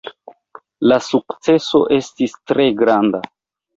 La sukceso estis tre granda.